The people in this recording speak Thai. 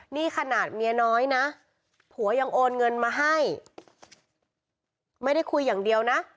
นี่ขนาดเมียน้อยนะผัวยังโอนเงินมาให้ไม่ได้คุยอย่างเดียวนะ